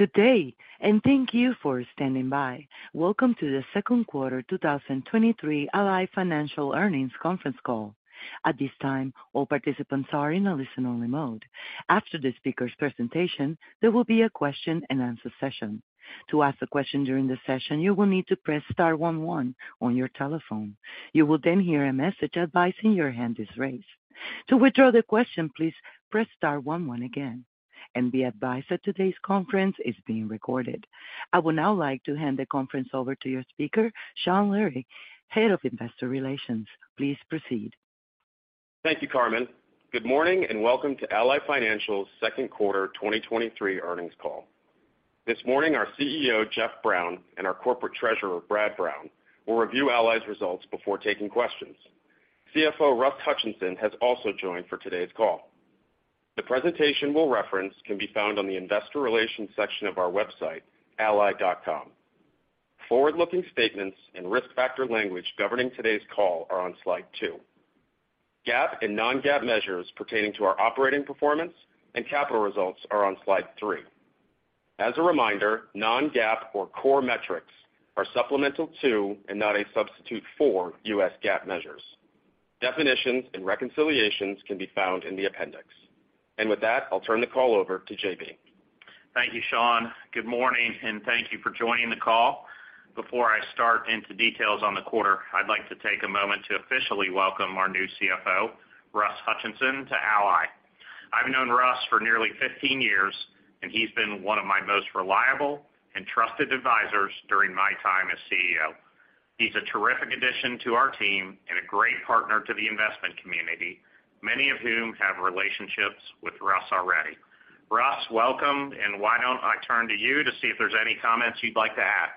Good day. Thank you for standing by. Welcome to the second quarter 2023 Ally Financial Earnings Conference Call. At this time, all participants are in a listen-only mode. After the speaker's presentation, there will be a question-and-answer session. To ask a question during the session, you will need to press star one one on your telephone. You will hear a message advising your hand is raised. To withdraw the question, please press star one one again. Be advised that today's conference is being recorded. I would now like to hand the conference over to your speaker, Sean Leary, Head of Investor Relations. Please proceed. Thank you, Carmen. Good morning, welcome to Ally Financial's second quarter 2023 earnings call. This morning, our CEO, Jeff Brown, and our Corporate Treasurer, Brad Brown, will review Ally's results before taking questions. CFO Russ Hutchinson has also joined for today's call. The presentation we'll reference can be found on the investor relations section of our website, ally.com. Forward-looking statements and risk factor language governing today's call are on slide 2. GAAP and non-GAAP measures pertaining to our operating performance and capital results are on slide 3. As a reminder, non-GAAP or core metrics are supplemental to and not a substitute for U.S. GAAP measures. Definitions and reconciliations can be found in the appendix. With that, I'll turn the call over to J.B. Thank you, Sean. Good morning, and thank you for joining the call. Before I start into details on the quarter, I'd like to take a moment to officially welcome our new CFO, Russ Hutchinson, to Ally. I've known Russ for nearly 15 years, and he's been one of my most reliable and trusted advisors during my time as CEO. He's a terrific addition to our team and a great partner to the investment community, many of whom have relationships with Russ already. Russ, welcome. Why don't I turn to you to see if there's any comments you'd like to add?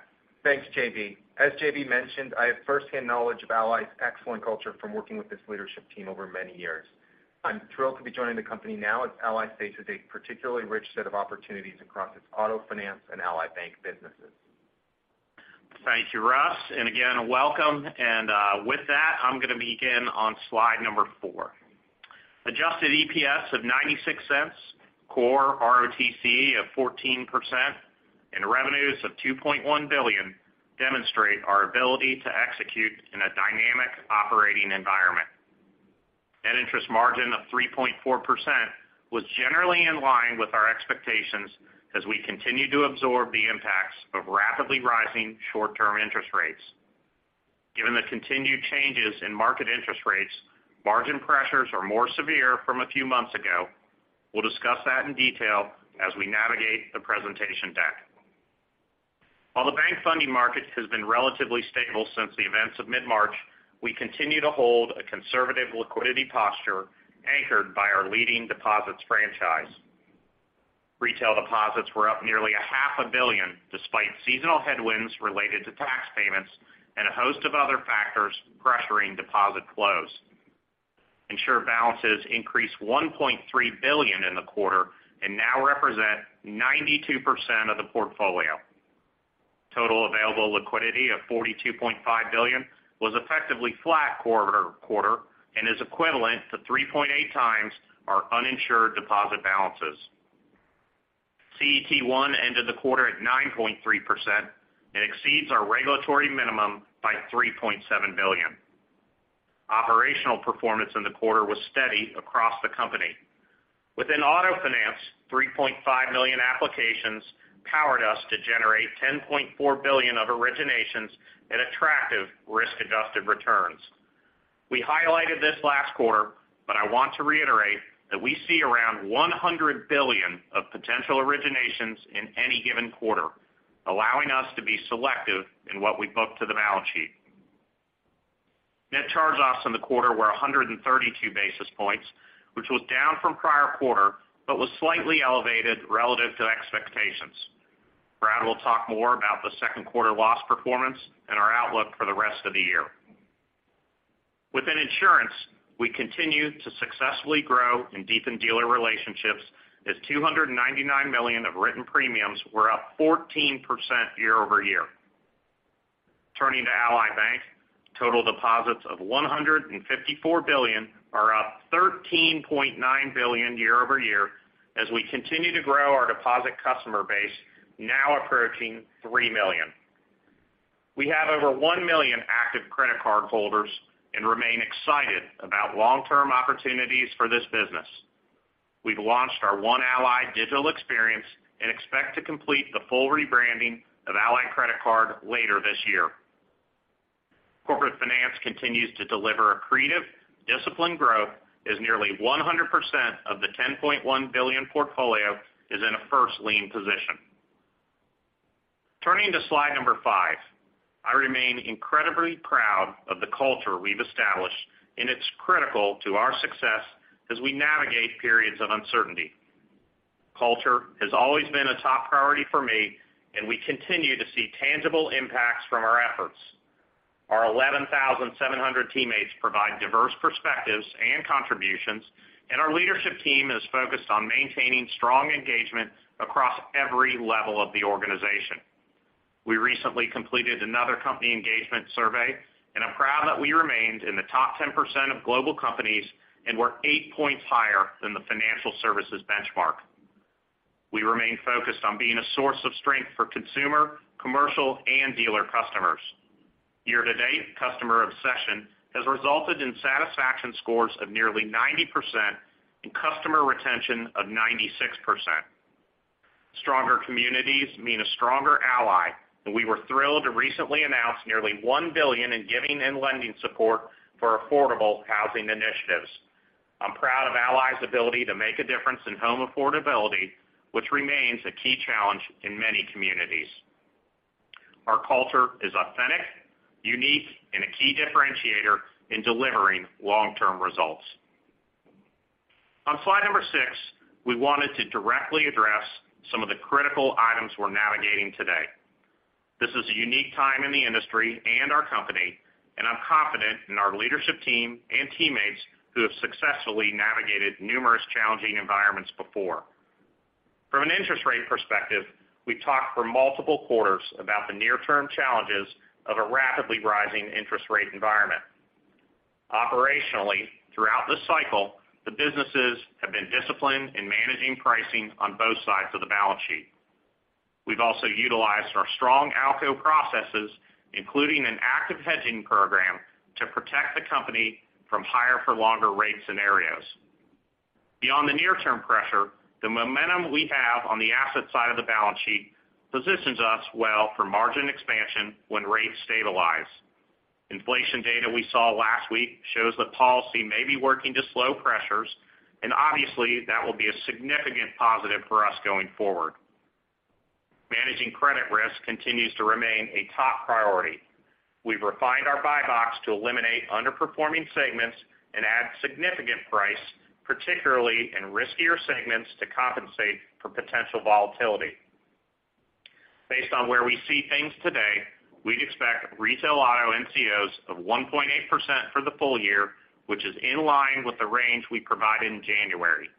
Thanks, JB. As JB mentioned, I have firsthand knowledge of Ally's excellent culture from working with this leadership team over many years. I'm thrilled to be joining the company now as Ally faces a particularly rich set of opportunities across its Auto Finance and Ally Bank businesses. Thank you, Russ, and again, welcome. With that, I'm going to begin on slide number four. Adjusted EPS of $0.96, core ROTCE of 14%, and revenues of $2.1 billion demonstrate our ability to execute in a dynamic operating environment. Net interest margin of 3.4% was generally in line with our expectations as we continue to absorb the impacts of rapidly rising short-term interest rates. Given the continued changes in market interest rates, margin pressures are more severe from a few months ago. We'll discuss that in detail as we navigate the presentation deck. While the bank funding market has been relatively stable since the events of mid-March, we continue to hold a conservative liquidity posture anchored by our leading deposits franchise. Retail deposits were up nearly a half a billion, despite seasonal headwinds related to tax payments and a host of other factors pressuring deposit flows. Insured balances increased $1.3 billion in the quarter and now represent 92% of the portfolio. Total available liquidity of $42.5 billion was effectively flat quarter to quarter and is equivalent to 3.8x our uninsured deposit balances. CET1 ended the quarter at 9.3% and exceeds our regulatory minimum by $3.7 billion. Operational performance in the quarter was steady across the company. Within Auto Finance, 3.5 million applications powered us to generate $10.4 billion of originations at attractive risk-adjusted returns. We highlighted this last quarter, but I want to reiterate that we see around $100 billion of potential originations in any given quarter, allowing us to be selective in what we book to the balance sheet. Net charge-offs in the quarter were 132 basis points, which was down from prior quarter, but was slightly elevated relative to expectations. Brad will talk more about the second quarter loss performance and our outlook for the rest of the year. Within insurance, we continue to successfully grow and deepen dealer relationships as $299 million of written premiums were up 14% year-over-year. Turning to Ally Bank, total deposits of $154 billion are up $13.9 billion year-over-year as we continue to grow our deposit customer base, now approaching 3 million. We have over 1 million active credit card holders and remain excited about long-term opportunities for this business. We've launched our One Ally digital experience and expect to complete the full rebranding of Ally Credit Card later this year. Corporate Finance continues to deliver accretive, disciplined growth as nearly 100% of the $10.1 billion portfolio is in a first lien position. Turning to slide 5, I remain incredibly proud of the culture we've established, and it's critical to our success as we navigate periods of uncertainty. Culture has always been a top priority for me. We continue to see tangible impacts from our efforts. Our 11,700 teammates provide diverse perspectives and contributions, and our leadership team is focused on maintaining strong engagement across every level of the organization. We recently completed another company engagement survey. I'm proud that we remained in the top 10% of global companies and were 8 points higher than the financial services benchmark. We remain focused on being a source of strength for consumer, commercial, and dealer customers. Year-to-date, customer obsession has resulted in satisfaction scores of nearly 90% and customer retention of 96%. Stronger communities mean a stronger Ally. We were thrilled to recently announce nearly $1 billion in giving and lending support for affordable housing initiatives. I'm proud of Ally's ability to make a difference in home affordability, which remains a key challenge in many communities. Our culture is authentic, unique, and a key differentiator in delivering long-term results. On slide number 6, we wanted to directly address some of the critical items we're navigating today. This is a unique time in the industry and our company, and I'm confident in our leadership team and teammates who have successfully navigated numerous challenging environments before. From an interest rate perspective, we've talked for multiple quarters about the near-term challenges of a rapidly rising interest rate environment. Operationally, throughout this cycle, the businesses have been disciplined in managing pricing on both sides of the balance sheet. We've also utilized our strong ALCO processes, including an active hedging program, to protect the company from higher-for-longer rate scenarios. Beyond the near-term pressure, the momentum we have on the asset side of the balance sheet positions us well for margin expansion when rates stabilize. Inflation data we saw last week shows that policy may be working to slow pressures, and obviously, that will be a significant positive for us going forward. Managing credit risk continues to remain a top priority. We've refined our buy box to eliminate underperforming segments and add significant price, particularly in riskier segments, to compensate for potential volatility. Based on where we see things today, we expect retail auto NCOs of 1.8% for the full year, which is in line with the range we provided in January.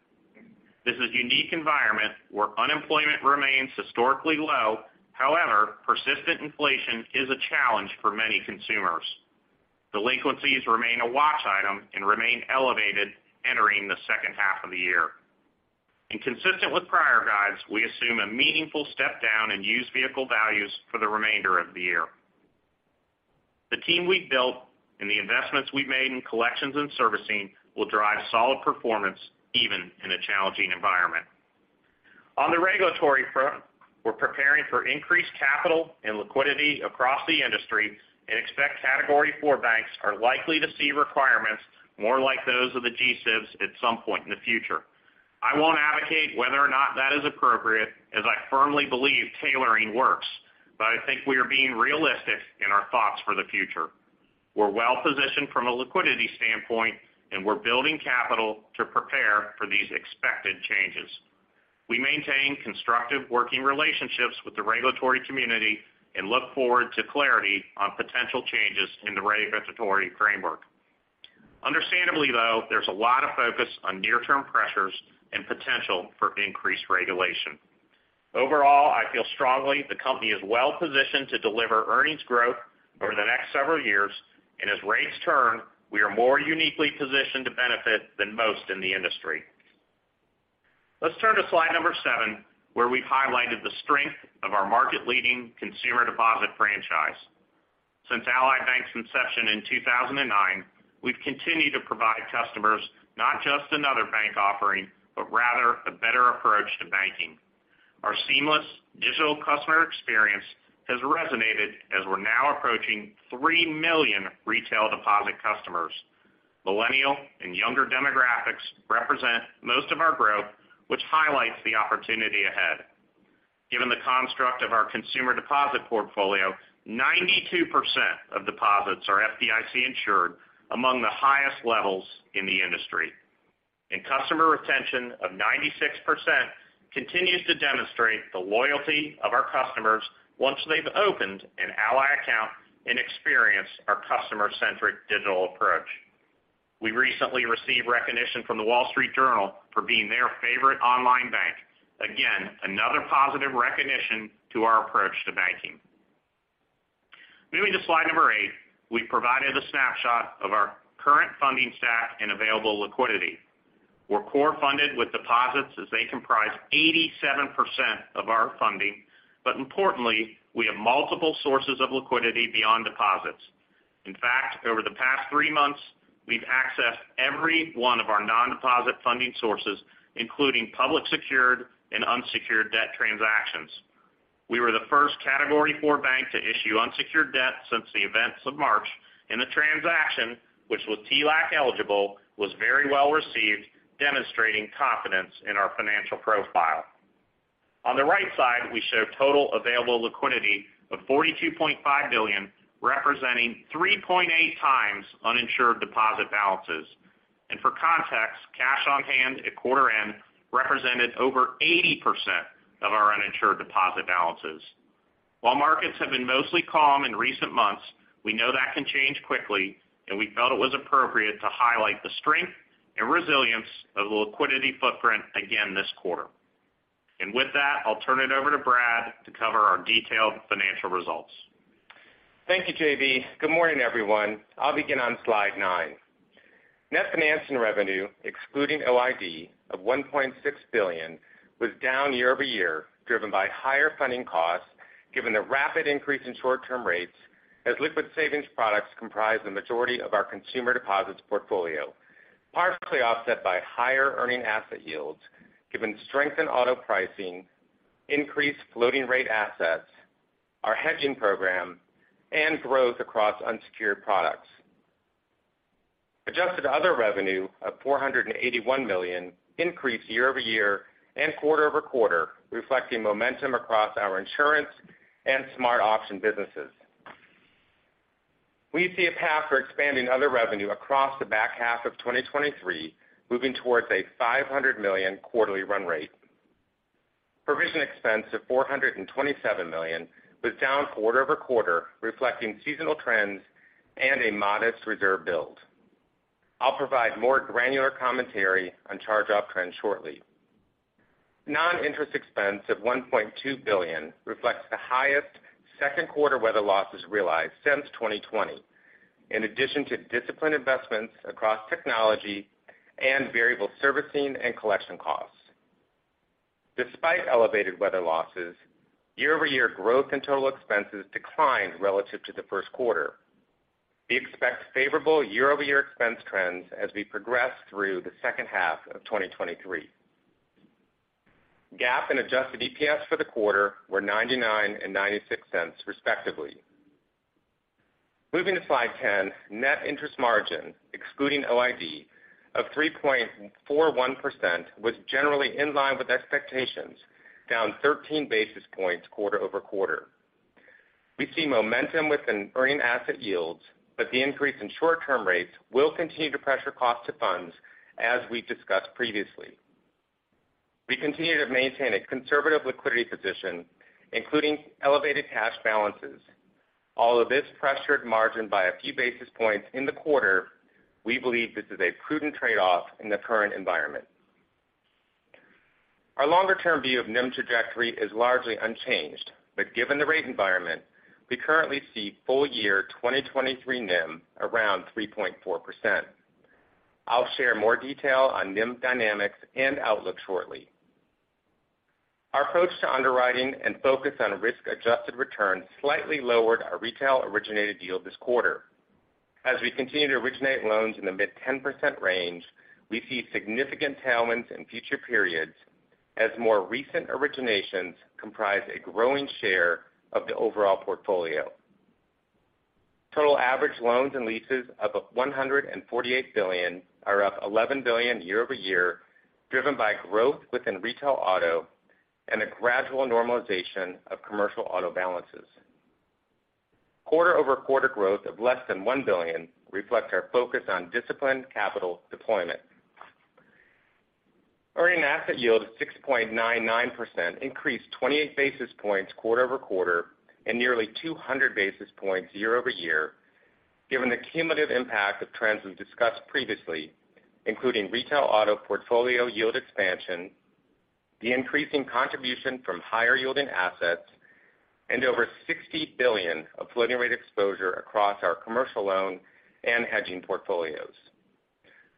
This is a unique environment where unemployment remains historically low. However, persistent inflation is a challenge for many consumers. Delinquencies remain a watch item and remain elevated entering the second half of the year. Consistent with prior guides, we assume a meaningful step down in used vehicle values for the remainder of the year. The team we've built and the investments we've made in collections and servicing will drive solid performance even in a challenging environment. On the regulatory front, we're preparing for increased capital and liquidity across the industry and expect Category IV banks are likely to see requirements more like those of the G-SIBs at some point in the future. I won't advocate whether or not that is appropriate, as I firmly believe tailoring works, but I think we are being realistic in our thoughts for the future. We're well positioned from a liquidity standpoint, and we're building capital to prepare for these expected changes. We maintain constructive working relationships with the regulatory community and look forward to clarity on potential changes in the regulatory framework. Understandably, though, there's a lot of focus on near-term pressures and potential for increased regulation. Overall, I feel strongly the company is well positioned to deliver earnings growth over the next several years, and as rates turn, we are more uniquely positioned to benefit than most in the industry. Let's turn to slide number seven, where we've highlighted the strength of our market-leading consumer deposit franchise. Since Ally Bank's inception in 2009, we've continued to provide customers not just another bank offering, but rather a better approach to banking. Our seamless digital customer experience has resonated as we're now approaching 3 million retail deposit customers. Millennial and younger demographics represent most of our growth, which highlights the opportunity ahead. Given the construct of our consumer deposit portfolio, 92% of deposits are FDIC-insured, among the highest levels in the industry, customer retention of 96% continues to demonstrate the loyalty of our customers once they've opened an Ally account and experienced our customer-centric digital approach. We recently received recognition from The Wall Street Journal for being their favorite online bank. Again, another positive recognition to our approach to banking. Moving to slide 8, we've provided a snapshot of our current funding stack and available liquidity. We're core funded with deposits as they comprise 87% of our funding, importantly, we have multiple sources of liquidity beyond deposits. In fact, over the past three months, we've accessed every one of our non-deposit funding sources, including public, secured and unsecured debt transactions. We were the first Category IV bank to issue unsecured debt since the events of March, the transaction, which was TLAC eligible, was very well received, demonstrating confidence in our financial profile. On the right side, we show total available liquidity of $42.5 billion, representing 3.8x uninsured deposit balances. For context, cash on hand at quarter end represented over 80% of our uninsured deposit balances. While markets have been mostly calm in recent months, we know that can change quickly, and we felt it was appropriate to highlight the strength and resilience of the liquidity footprint again this quarter. With that, I'll turn it over to Brad to cover our detailed financial results. Thank you, JB. Good morning, everyone. I'll begin on slide 9. Net financing revenue, excluding OID, of $1.6 billion, was down year-over-year, driven by higher funding costs, given the rapid increase in short-term rates, as liquid savings products comprise the majority of our consumer deposits portfolio, partially offset by higher earning asset yields, given strength in auto pricing, increased floating rate assets, our hedging program, and growth across unsecured products. Adjusted other revenue of $481 million increased year-over-year and quarter-over-quarter, reflecting momentum across our insurance and SmartAuction businesses. We see a path for expanding other revenue across the back half of 2023, moving towards a $500 million quarterly run rate. Provision expense of $427 million was down quarter-over-quarter, reflecting seasonal trends and a modest reserve build. I'll provide more granular commentary on charge-off trends shortly. Non-interest expense of $1.2 billion reflects the highest second quarter weather losses realized since 2020, in addition to disciplined investments across technology and variable servicing and collection costs. Despite elevated weather losses, year-over-year growth in total expenses declined relative to the first quarter. We expect favorable year-over-year expense trends as we progress through the second half of 2023. GAAP and adjusted EPS for the quarter were $0.99 and $0.96, respectively. Moving to slide 10, net interest margin, excluding OID, of 3.41%, was generally in line with expectations, down 13 basis points quarter-over-quarter. We see momentum within earning asset yields, but the increase in short-term rates will continue to pressure cost to funds, as we've discussed previously. We continue to maintain a conservative liquidity position, including elevated cash balances. Although this pressured margin by a few basis points in the quarter, we believe this is a prudent trade-off in the current environment. Our longer-term view of NIM trajectory is largely unchanged, but given the rate environment, we currently see full year 2023 NIM around 3.4%. I'll share more detail on NIM dynamics and outlook shortly. Our approach to underwriting and focus on risk-adjusted returns slightly lowered our retail originated yield this quarter. As we continue to originate loans in the mid-10% range, we see significant tailwinds in future periods as more recent originations comprise a growing share of the overall portfolio. Total average loans and leases of $148 billion are up $11 billion year-over-year, driven by growth within retail auto and a gradual normalization of commercial auto balances. Quarter-over-quarter growth of less than $1 billion reflect our focus on disciplined capital deployment. Earning asset yield of 6.99% increased 28 basis points quarter-over-quarter and nearly 200 basis points year-over-year, given the cumulative impact of trends we've discussed previously, including retail auto portfolio yield expansion, the increasing contribution from higher-yielding assets, and over $60 billion of floating rate exposure across our commercial loan and hedging portfolios,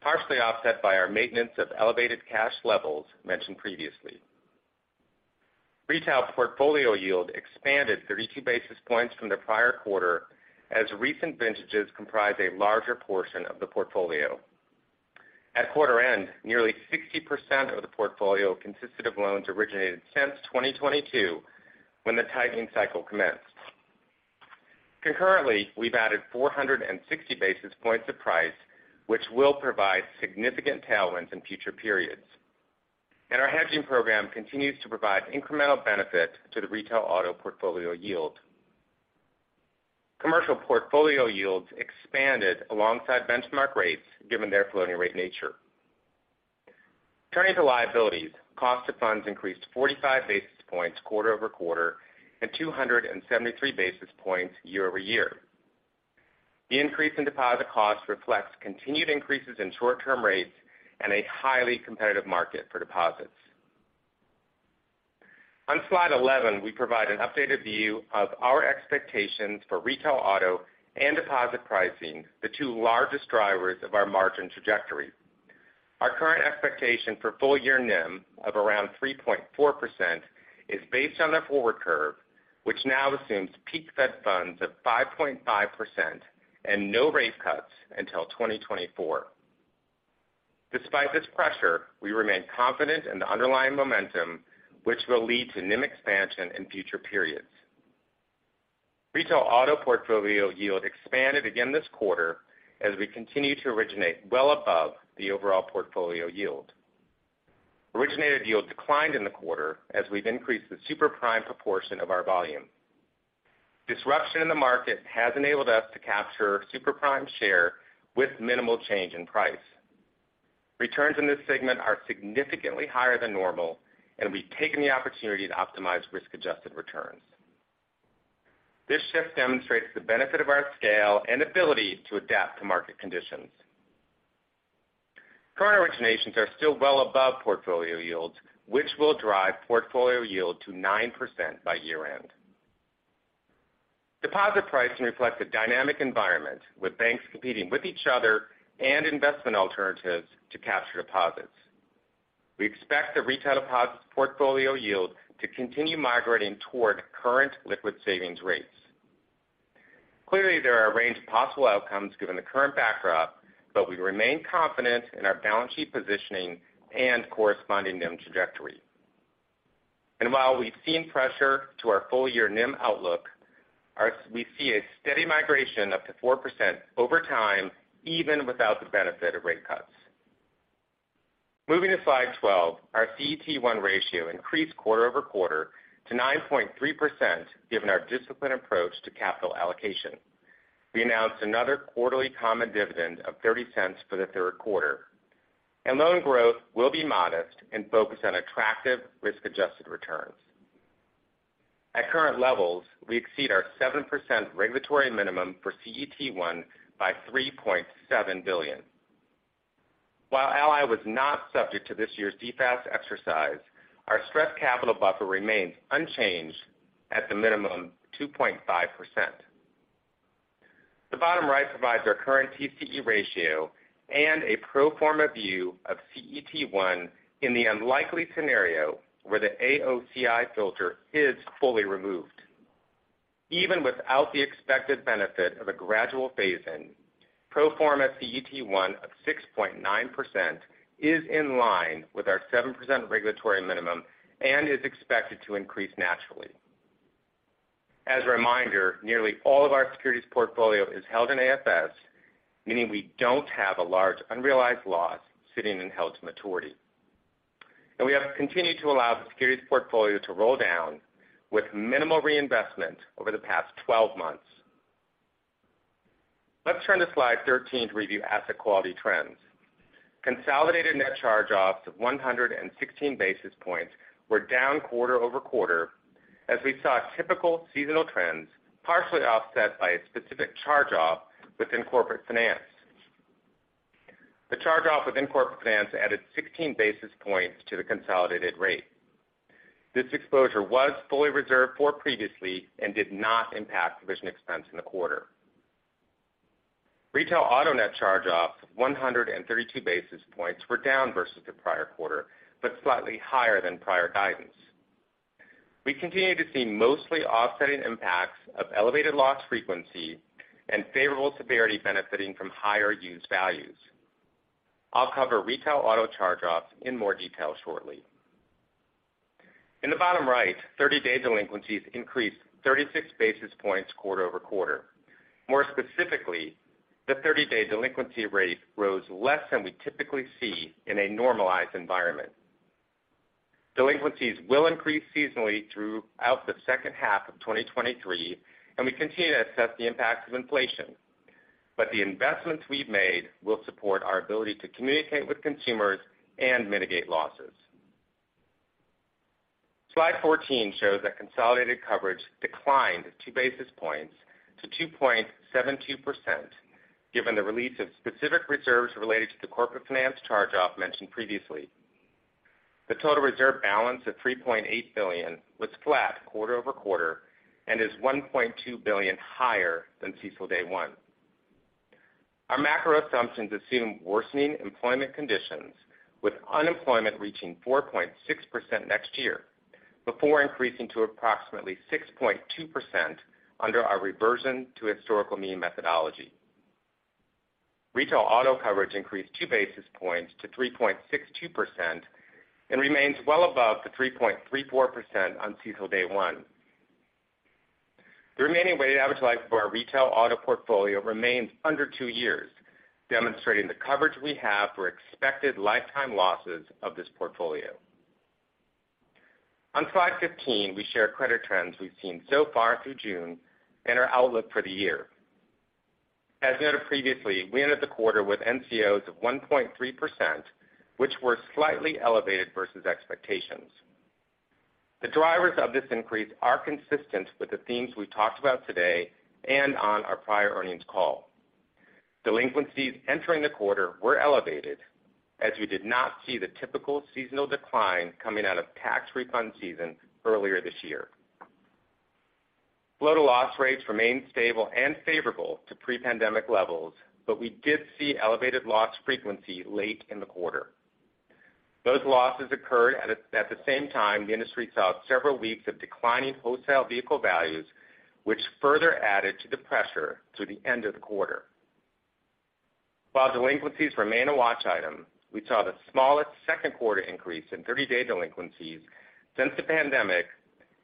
partially offset by our maintenance of elevated cash levels mentioned previously. Retail portfolio yield expanded 32 basis points from the prior quarter as recent vintages comprised a larger portion of the portfolio. At quarter end, nearly 60% of the portfolio consisted of loans originated since 2022, when the tightening cycle commenced. Concurrently, we've added 460 basis points of price, which will provide significant tailwinds in future periods. Our hedging program continues to provide incremental benefit to the retail auto portfolio yield. Commercial portfolio yields expanded alongside benchmark rates, given their floating rate nature. Turning to liabilities, cost of funds increased 45 basis points quarter-over-quarter and 273 basis points year-over-year. The increase in deposit costs reflects continued increases in short-term rates and a highly competitive market for deposits. On Slide 11, we provide an updated view of our expectations for retail, auto, and deposit pricing, the two largest drivers of our margin trajectory. Our current expectation for full year NIM of around 3.4% is based on the forward curve, which now assumes peak Fed funds of 5.5% and no rate cuts until 2024. Despite this pressure, we remain confident in the underlying momentum, which will lead to NIM expansion in future periods. Retail auto portfolio yield expanded again this quarter as we continue to originate well above the overall portfolio yield. Originated yield declined in the quarter as we've increased the super prime proportion of our volume. Disruption in the market has enabled us to capture super prime share with minimal change in price. Returns in this segment are significantly higher than normal, and we've taken the opportunity to optimize risk-adjusted returns.... This shift demonstrates the benefit of our scale and ability to adapt to market conditions. Current originations are still well above portfolio yields, which will drive portfolio yield to 9% by year-end. Deposit pricing reflects a dynamic environment, with banks competing with each other and investment alternatives to capture deposits. We expect the retail deposits portfolio yield to continue migrating toward current liquid savings rates. Clearly, there are a range of possible outcomes given the current backdrop, but we remain confident in our balance sheet positioning and corresponding NIM trajectory. While we've seen pressure to our full-year NIM outlook, we see a steady migration up to 4% over time, even without the benefit of rate cuts. Moving to Slide 12, our CET1 ratio increased quarter-over-quarter to 9.3%, given our disciplined approach to capital allocation. We announced another quarterly common dividend of $0.30 for the 3rd quarter. Loan growth will be modest and focused on attractive risk-adjusted returns. At current levels, we exceed our 7% regulatory minimum for CET1 by $3.7 billion. While Ally was not subject to this year's DFAST exercise, our stress capital buffer remains unchanged at the minimum 2.5%. The bottom right provides our current TCE ratio and a pro forma view of CET1 in the unlikely scenario where the AOCI filter is fully removed. Even without the expected benefit of a gradual phase-in, pro forma CET1 of 6.9% is in line with our 7% regulatory minimum and is expected to increase naturally. As a reminder, nearly all of our securities portfolio is held in AFS, meaning we don't have a large unrealized loss sitting in held to maturity. We have continued to allow the securities portfolio to roll down with minimal reinvestment over the past 12 months. Let's turn to Slide 13 to review asset quality trends. Consolidated net charge-offs of 116 basis points were down quarter-over-quarter as we saw typical seasonal trends, partially offset by a specific charge-off within Corporate Finance. The charge-off within Corporate Finance added 16 basis points to the consolidated rate. This exposure was fully reserved for previously and did not impact provision expense in the quarter. Retail auto net charge-offs of 132 basis points were down versus the prior quarter, but slightly higher than prior guidance. We continue to see mostly offsetting impacts of elevated loss frequency and favorable severity benefiting from higher used values. I'll cover retail auto charge-offs in more detail shortly. In the bottom right, 30-day delinquencies increased 36 basis points quarter-over-quarter. More specifically, the 30-day delinquency rate rose less than we typically see in a normalized environment. Delinquencies will increase seasonally throughout the second half of 2023, and we continue to assess the impacts of inflation. The investments we've made will support our ability to communicate with consumers and mitigate losses. Slide 14 shows that consolidated coverage declined 2 basis points to 2.72%, given the release of specific reserves related to the Corporate Finance charge-off mentioned previously. The total reserve balance of $3.8 billion was flat quarter-over-quarter and is $1.2 billion higher than CECL day one. Our macro assumptions assume worsening employment conditions, with unemployment reaching 4.6% next year, before increasing to approximately 6.2% under our reversion to historical mean methodology. Retail auto coverage increased 2 basis points to 3.62% and remains well above the 3.34% on CECL day one. The remaining weighted average life for our retail auto portfolio remains under two years, demonstrating the coverage we have for expected lifetime losses of this portfolio. On Slide 15, we share credit trends we've seen so far through June and our outlook for the year. As noted previously, we ended the quarter with NCOs of 1.3%, which were slightly elevated versus expectations. The drivers of this increase are consistent with the themes we've talked about today and on our prior earnings call. Delinquencies entering the quarter were elevated, as we did not see the typical seasonal decline coming out of tax refund season earlier this year. Flow-to-loss rates remained stable and favorable to pre-pandemic levels, we did see elevated loss frequency late in the quarter. Those losses occurred at the same time, the industry saw several weeks of declining wholesale vehicle values, which further added to the pressure through the end of the quarter. While delinquencies remain a watch item, we saw the smallest second quarter increase in 30-day delinquencies since the pandemic,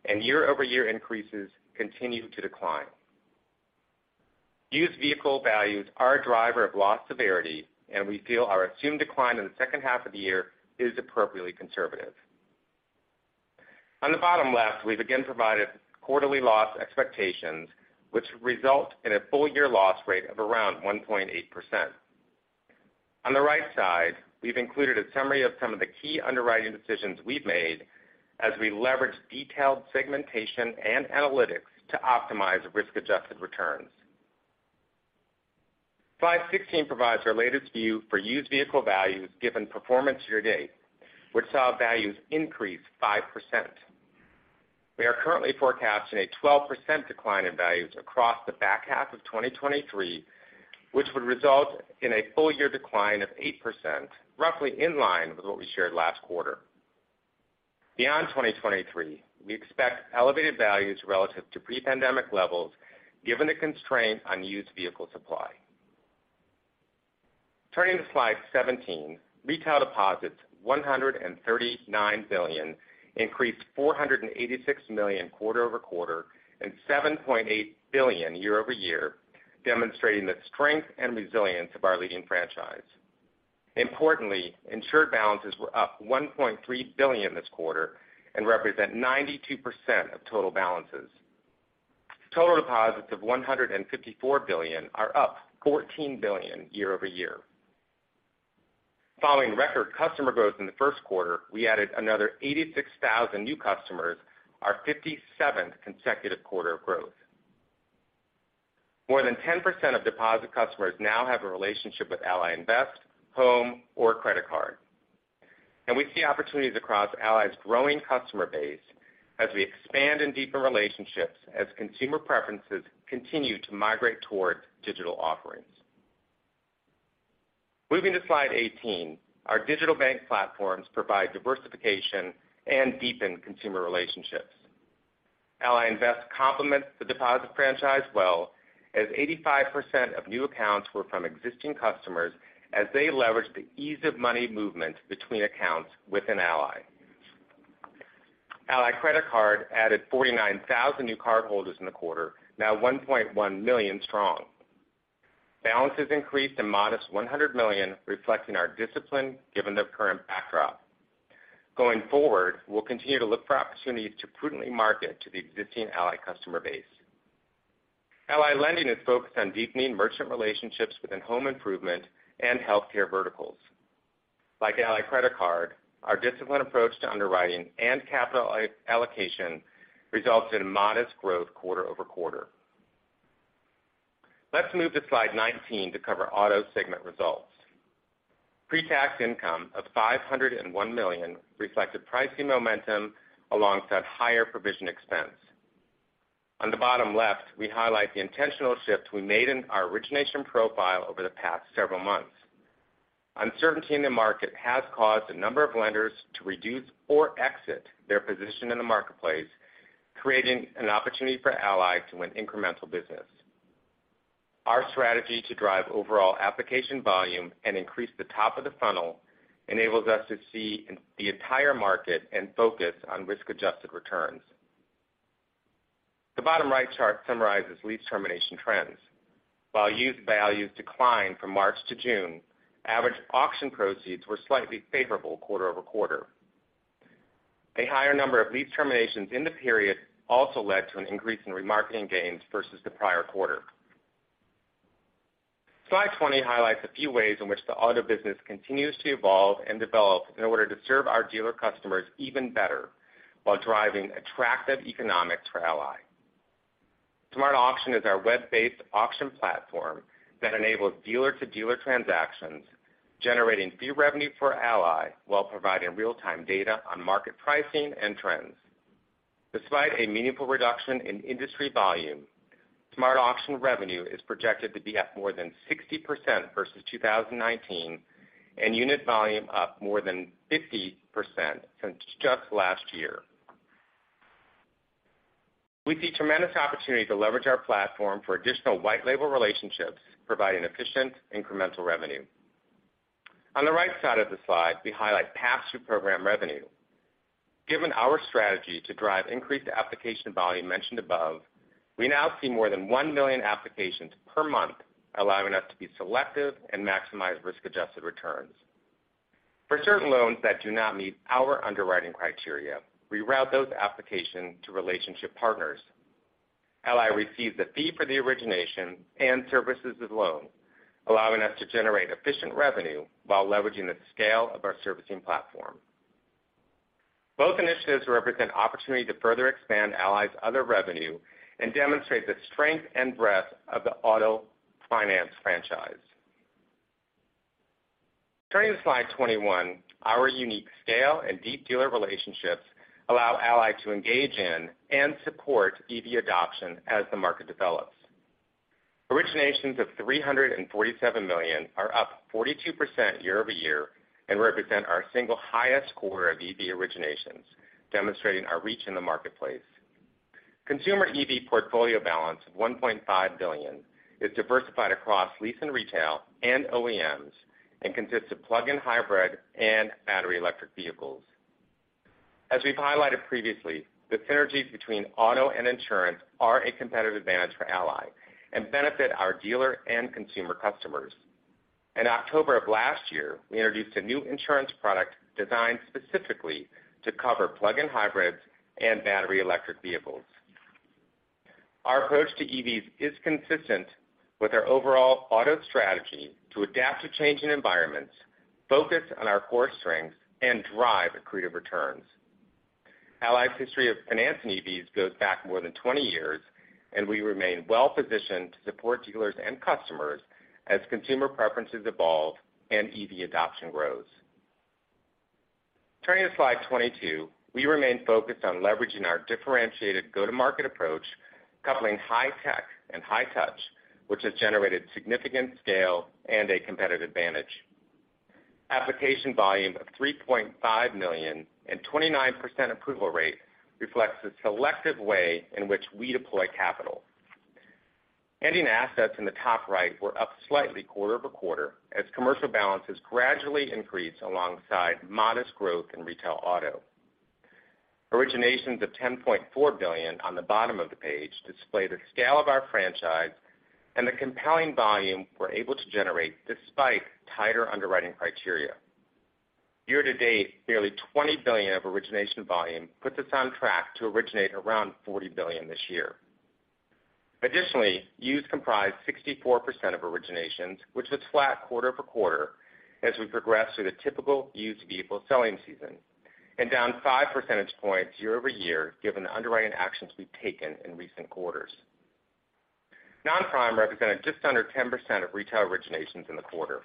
and year-over-year increases continue to decline. Used vehicle values are a driver of loss severity. We feel our assumed decline in the second half of the year is appropriately conservative. On the bottom left, we've again provided quarterly loss expectations, which result in a full-year loss rate of around 1.8%. On the right side, we've included a summary of some of the key underwriting decisions we've made as we leverage detailed segmentation and analytics to optimize risk-adjusted returns. Slide 16 provides our latest view for used vehicle values, given performance year-to-date, which saw values increase 5%. We are currently forecasting a 12% decline in values across the back half of 2023, which would result in a full year decline of 8%, roughly in line with what we shared last quarter. Beyond 2023, we expect elevated values relative to pre-pandemic levels, given the constraint on used vehicle supply. Turning to slide 17, retail deposits, $139 billion, increased $486 million quarter-over-quarter and $7.8 billion year-over-year, demonstrating the strength and resilience of our leading franchise. Importantly, insured balances were up $1.3 billion this quarter and represent 92% of total balances. Total deposits of $154 billion are up $14 billion year-over-year. Following record customer growth in the first quarter, we added another 86,000 new customers, our 57th consecutive quarter of growth. More than 10% of deposit customers now have a relationship with Ally Invest, Home, or Credit Card. We see opportunities across Ally's growing customer base as we expand and deepen relationships as consumer preferences continue to migrate towards digital offerings. Moving to slide 18. Our digital bank platforms provide diversification and deepen consumer relationships. Ally Invest complements the deposit franchise well, as 85% of new accounts were from existing customers as they leveraged the ease of money movement between accounts within Ally. Ally Credit Card added 49,000 new cardholders in the quarter, now 1.1 million strong. Balances increased a modest $100 million, reflecting our discipline given the current backdrop. Going forward, we'll continue to look for opportunities to prudently market to the existing Ally customer base. Ally Lending is focused on deepening merchant relationships within home improvement and healthcare verticals. Like Ally Credit Card, our disciplined approach to underwriting and capital allocation results in modest growth quarter-over-quarter. Let's move to slide 19 to cover auto segment results. Pre-tax income of $501 million reflected pricing momentum alongside higher provision expense. On the bottom left, we highlight the intentional shift we made in our origination profile over the past several months. Uncertainty in the market has caused a number of lenders to reduce or exit their position in the marketplace, creating an opportunity for Ally to win incremental business. Our strategy to drive overall application volume and increase the top of the funnel enables us to see in the entire market and focus on risk-adjusted returns. The bottom right chart summarizes lease termination trends. While used values declined from March to June, average auction proceeds were slightly favorable quarter-over-quarter. A higher number of lease terminations in the period also led to an increase in remarketing gains versus the prior quarter. Slide 20 highlights a few ways in which the auto business continues to evolve and develop in order to serve our dealer customers even better, while driving attractive economics for Ally. SmartAuction is our web-based auction platform that enables dealer-to-dealer transactions, generating fee revenue for Ally while providing real-time data on market pricing and trends. Despite a meaningful reduction in industry volume, SmartAuction revenue is projected to be up more than 60% versus 2019, and unit volume up more than 50% since just last year. We see tremendous opportunity to leverage our platform for additional white label relationships, providing efficient, incremental revenue. On the right side of the slide, we highlight pass-through program revenue. Given our strategy to drive increased application volume mentioned above, we now see more than 1 million applications per month, allowing us to be selective and maximize risk-adjusted returns. For certain loans that do not meet our underwriting criteria, we route those applications to relationship partners. Ally receives a fee for the origination and services of loan, allowing us to generate efficient revenue while leveraging the scale of our servicing platform. Both initiatives represent opportunity to further expand Ally's other revenue and demonstrate the strength and breadth of the Auto Finance franchise. Turning to slide 21, our unique scale and deep dealer relationships allow Ally to engage in and support EV adoption as the market develops. Originations of $347 million are up 42% year-over-year and represent our single highest quarter of EV originations, demonstrating our reach in the marketplace. Consumer EV portfolio balance of $1.5 billion is diversified across lease and retail and OEMs, and consists of plug-in hybrid and battery electric vehicles. As we've highlighted previously, the synergies between auto and insurance are a competitive advantage for Ally and benefit our dealer and consumer customers. In October of last year, we introduced a new insurance product designed specifically to cover plug-in hybrids and battery electric vehicles. Our approach to EVs is consistent with our overall auto strategy to adapt to changing environments, focus on our core strengths, and drive accretive returns. Ally's history of financing EVs goes back more than 20 years, and we remain well-positioned to support dealers and customers as consumer preferences evolve and EV adoption grows. Turning to slide 22, we remain focused on leveraging our differentiated go-to-market approach, coupling high tech and high touch, which has generated significant scale and a competitive advantage. Application volume of $3.5 million and 29% approval rate reflects the selective way in which we deploy capital. Ending assets in the top right were up slightly quarter-over-quarter, as commercial balances gradually increase alongside modest growth in retail auto. Originations of $10.4 billion on the bottom of the page display the scale of our franchise and the compelling volume we're able to generate despite tighter underwriting criteria. Year-to-date, nearly $20 billion of origination volume puts us on track to originate around $40 billion this year. Additionally, used comprised 64% of originations, which was flat quarter-over-quarter as we progress through the typical used vehicle selling season, and down 5 percentage points year-over-year, given the underwriting actions we've taken in recent quarters. Non-prime represented just under 10% of retail originations in the quarter.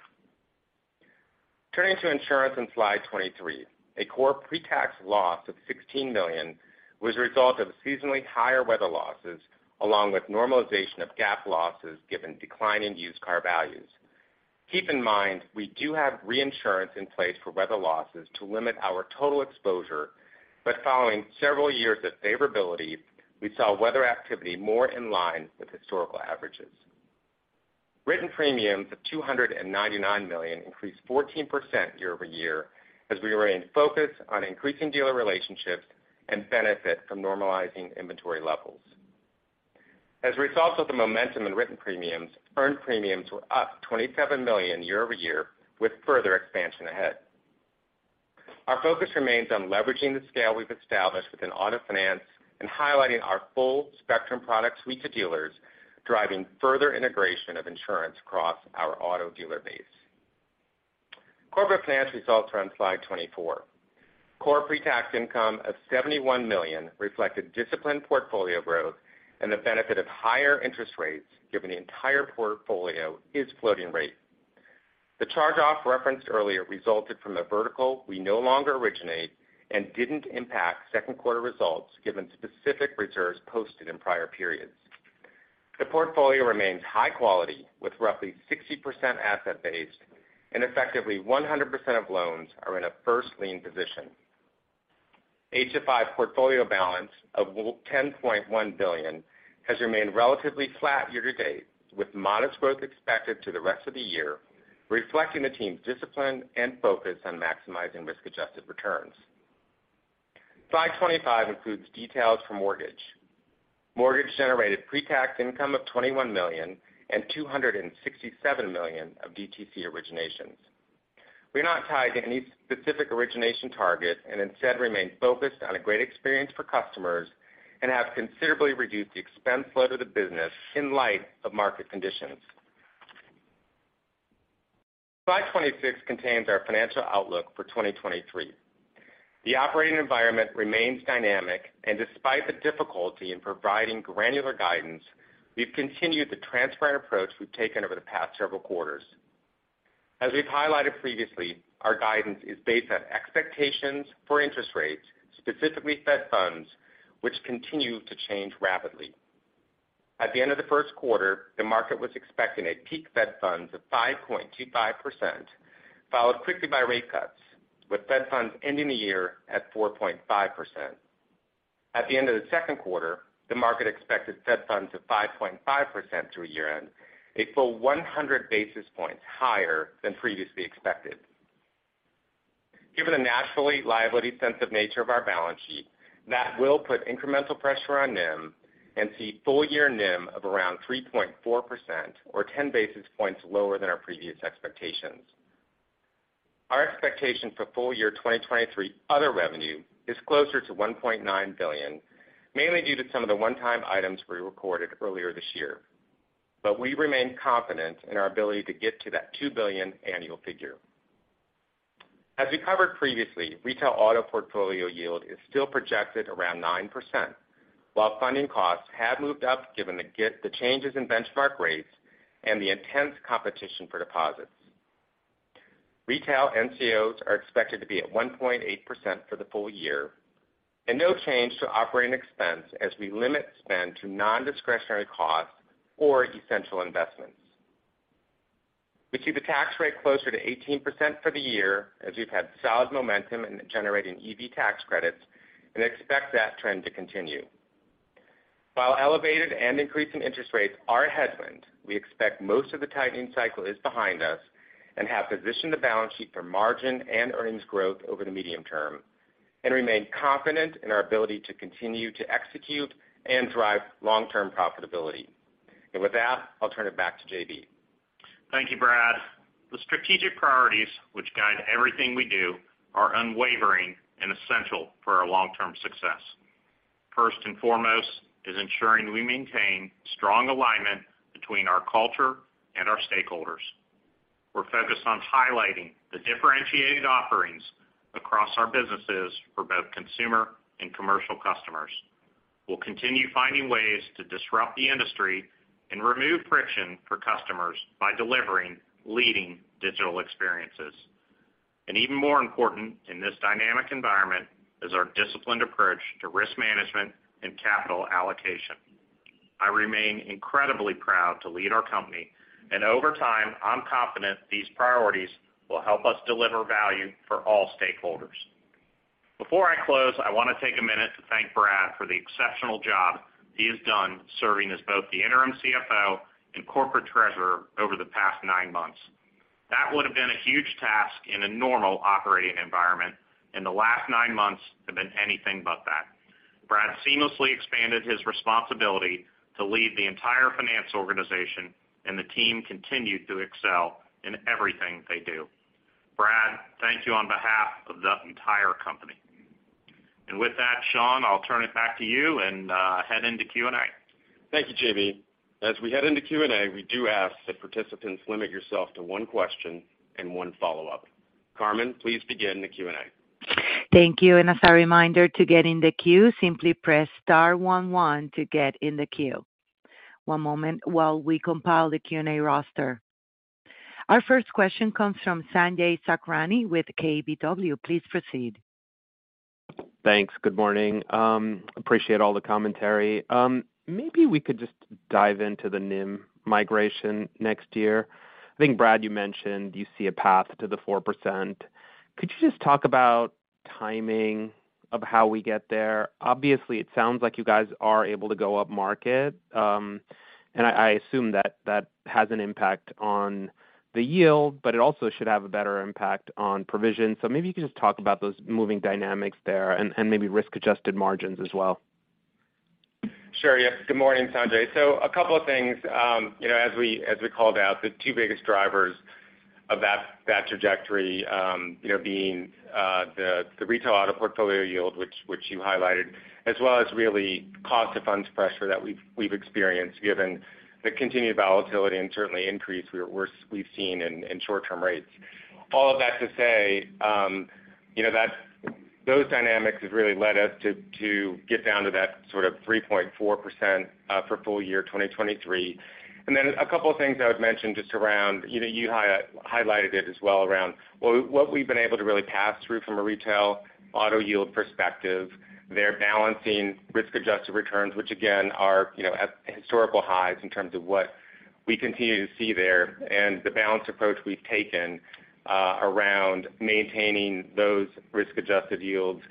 Turning to insurance on slide 23, a core pre-tax loss of $16 million was a result of seasonally higher weather losses, along with normalization of GAAP losses, given declining used car values. Keep in mind, we do have reinsurance in place for weather losses to limit our total exposure, but following several years of favorability, we saw weather activity more in line with historical averages. Written premiums of $299 million increased 14% year-over-year, as we remained focused on increasing dealer relationships and benefit from normalizing inventory levels. As a result of the momentum in written premiums, earned premiums were up $27 million year-over-year, with further expansion ahead. Our focus remains on leveraging the scale we've established within Auto Finance and highlighting our full spectrum product suite to dealers, driving further integration of insurance across our auto dealer base. Corporate Finance results are on slide 24. Core pre-tax income of $71 million reflected disciplined portfolio growth and the benefit of higher interest rates, given the entire portfolio is floating rate. The charge-off referenced earlier resulted from the vertical we no longer originate and didn't impact second quarter results, given specific reserves posted in prior periods. The portfolio remains high quality, with roughly 60% asset-based and effectively 100% of loans are in a first lien position. HFI portfolio balance of $10.1 billion has remained relatively flat year-to-date, with modest growth expected to the rest of the year, reflecting the team's discipline and focus on maximizing risk-adjusted returns. Slide 25 includes details for mortgage. Mortgage-generated pre-tax income of $21 million and $267 million of DTC originations. We're not tied to any specific origination target and instead remain focused on a great experience for customers and have considerably reduced the expense load of the business in light of market conditions. Slide 26 contains our financial outlook for 2023. The operating environment remains dynamic. Despite the difficulty in providing granular guidance, we've continued the transparent approach we've taken over the past several quarters. As we've highlighted previously, our guidance is based on expectations for interest rates, specifically Fed funds, which continue to change rapidly. At the end of the first quarter, the market was expecting a peak Fed funds of 5.25%, followed quickly by rate cuts, with Fed funds ending the year at 4.5%. At the end of the second quarter, the market expected Fed funds of 5.5% through year-end, a full 100 basis points higher than previously expected. Given the naturally liability sensitive nature of our balance sheet, that will put incremental pressure on NIM and see full year NIM of around 3.4% or 10 basis points lower than our previous expectations. Our expectation for full year 2023 other revenue is closer to $1.9 billion, mainly due to some of the one-time items we recorded earlier this year. We remain confident in our ability to get to that $2 billion annual figure. We covered previously, retail auto portfolio yield is still projected around 9%, while funding costs have moved up given the changes in benchmark rates and the intense competition for deposits. Retail NCOs are expected to be at 1.8% for the full year. No change to operating expense as we limit spend to non-discretionary costs or essential investments. We see the tax rate closer to 18% for the year, as we've had solid momentum in generating EV tax credits and expect that trend to continue. While elevated and increasing interest rates are a headwind, we expect most of the tightening cycle is behind us and have positioned the balance sheet for margin and earnings growth over the medium term. Remain confident in our ability to continue to execute and drive long-term profitability. With that, I'll turn it back to JB. Thank you, Brad. The strategic priorities which guide everything we do are unwavering and essential for our long-term success. First and foremost is ensuring we maintain strong alignment between our culture and our stakeholders. We're focused on highlighting the differentiated offerings across our businesses for both consumer and commercial customers. We'll continue finding ways to disrupt the industry and remove friction for customers by delivering leading digital experiences. Even more important in this dynamic environment is our disciplined approach to risk management and capital allocation. I remain incredibly proud to lead our company, and over time, I'm confident these priorities will help us deliver value for all stakeholders. Before I close, I want to take a minute to thank Brad for the exceptional job he has done serving as both the interim CFO and Corporate Treasurer over the past nine months. That would have been a huge task in a normal operating environment, and the last nine months have been anything but that. Brad seamlessly expanded his responsibility to lead the entire finance organization, and the team continued to excel in everything they do. Brad, thank you on behalf of the entire company. With that, Sean, I'll turn it back to you and head into Q&A. Thank you, Jamie. As we head into Q&A, we do ask that participants limit yourself to one question and one follow-up. Carmen, please begin the Q&A. Thank you. As a reminder, to get in the queue, simply press star one one to get in the queue. One moment while we compile the Q&A roster. Our first question comes from Sanjay Sakhrani with KBW. Please proceed. Thanks. Good morning. Appreciate all the commentary. Maybe we could just dive into the NIM migration next year. I think, Brad, you mentioned you see a path to the 4%. Could you just talk about timing of how we get there? Obviously, it sounds like you guys are able to go up market, and I assume that that has an impact on the yield, but it also should have a better impact on provision. Maybe you can just talk about those moving dynamics there and maybe risk-adjusted margins as well. Sure. Yes, good morning, Sanjay. A couple of things. you know, as we called out, the two biggest drivers of that trajectory, you know, being the retail auto portfolio yield, which you highlighted, as well as really cost of funds pressure that we've experienced, given the continued volatility and certainly increase we've seen in short-term rates. All of that to say, you know, those dynamics has really led us to get down to that sort of 3.4% for full year 2023. A couple of things I would mention just around, you know, you highlighted it as well, around what we've been able to really pass through from a retail auto yield perspective. They're balancing risk-adjusted returns, which again, are, you know, at historical highs in terms of what we continue to see there, and the balanced approach we've taken, around maintaining those risk-adjusted yields,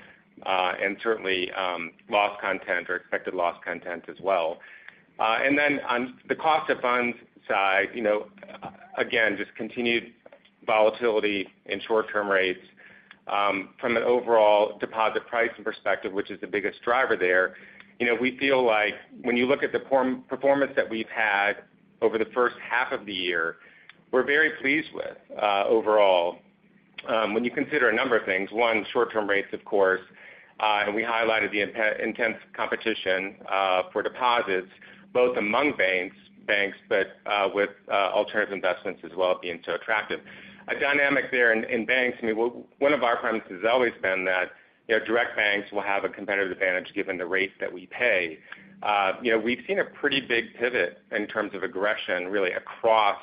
and certainly, loss content or expected loss content as well. On the cost of funds side, you know, again, just continued volatility in short-term rates, from an overall deposit pricing perspective, which is the biggest driver there. You know, we feel like when you look at the performance that we've had over the first half of the year, we're very pleased with, overall, when you consider a number of things, one, short-term rates, of course, and we highlighted the intense competition, for deposits, both among banks, but, with, alternative investments as well, being so attractive. A dynamic there in banks, I mean, one of our premises has always been that, you know, direct banks will have a competitive advantage given the rates that we pay. You know, we've seen a pretty big pivot in terms of aggression, really across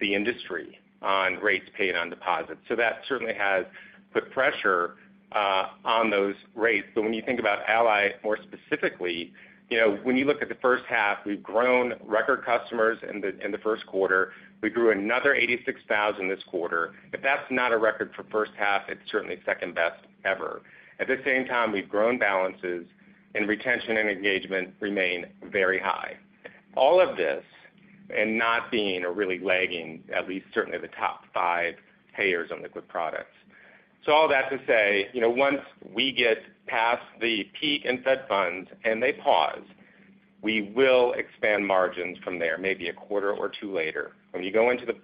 the industry on rates paid on deposits. That certainly has put pressure on those rates. When you think about Ally, more specifically, you know, when you look at the first half, we've grown record customers in the first quarter. We grew another 86,000 this quarter. If that's not a record for first half, it's certainly second best ever. At the same time, we've grown balances, and retention and engagement remain very high. All of this and not being or really lagging, at least certainly the top five payers on liquid products. All that to say, you know, once we get past the peak in Fed funds and they pause, we will expand margins from there, maybe a quarter or two later. When you go into the,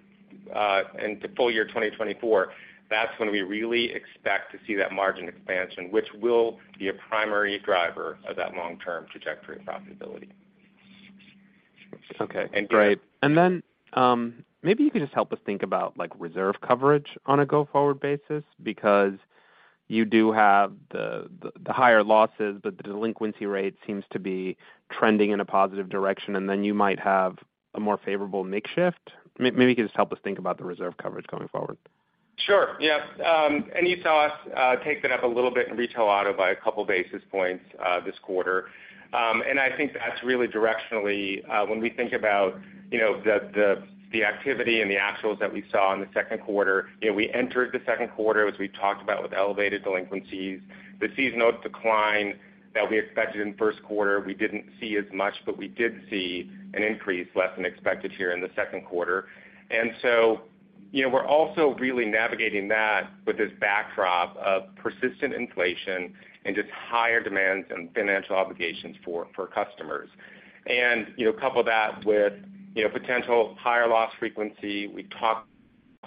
into full year 2024, that's when we really expect to see that margin expansion, which will be a primary driver of that long-term trajectory of profitability. Okay, great. Maybe you could just help us think about, like, reserve coverage on a go-forward basis, because you do have the higher losses, but the delinquency rate seems to be trending in a positive direction, and then you might have a more favorable mix shift. Maybe you can just help us think about the reserve coverage going forward? Sure. Yeah. You saw us take that up a little bit in retail auto by a couple basis points this quarter. I think that's really directionally, when we think about, you know, the, the activity and the actuals that we saw in the second quarter, you know, we entered the second quarter, as we talked about, with elevated delinquencies. The season note decline that we expected in first quarter, we didn't see as much, but we did see an increase less than expected here in the second quarter. You know, we're also really navigating that with this backdrop of persistent inflation and just higher demands and financial obligations for customers. You know, couple that with, you know, potential higher loss frequency. We talked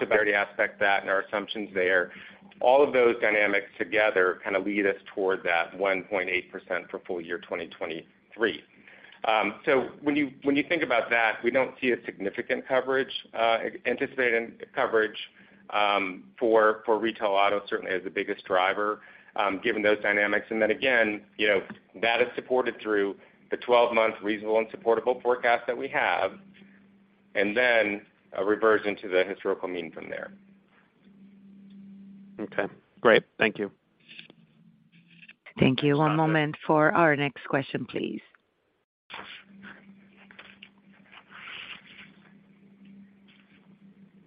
severity aspect that and our assumptions there. All of those dynamics together kind of lead us toward that 1.8% for full year 2023. When you think about that, we don't see a significant coverage, anticipated coverage, for retail auto, certainly as the biggest driver, given those dynamics. Then again, you know, that is supported through the 12-month reasonable and supportable forecast that we have, and then a reversion to the historical mean from there. Okay, great. Thank you. Thank you. One moment for our next question, please.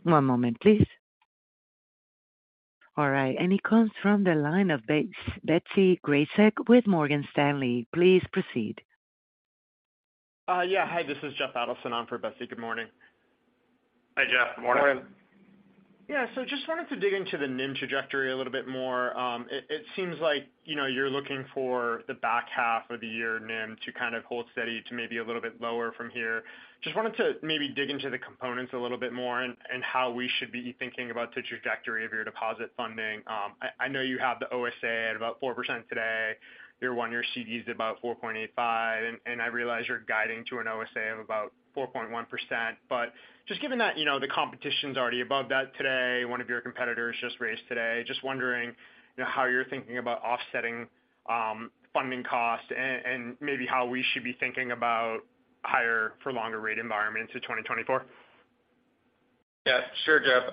One moment, please. All right, it comes from the line of Betsy Graseck with Morgan Stanley. Please proceed. Yeah, hi, this is Jeff Adelson on for Betsy. Good morning. Hi, Jeff. Good morning. Morning. Just wanted to dig into the NIM trajectory a little bit more. It seems like, you know, you're looking for the back half of the year NIM to kind of hold steady to maybe a little bit lower from here. Just wanted to maybe dig into the components a little bit more and how we should be thinking about the trajectory of your deposit funding. I know you have the OSA at about 4% today, your one-year CD is about 4.85%, and I realize you're guiding to an OSA of about 4.1%. Just given that, you know, the competition's already above that today, one of your competitors just raised today. Just wondering, you know, how you're thinking about offsetting, funding costs and maybe how we should be thinking about higher for longer rate environments to 2024? Yeah, sure, Jeff.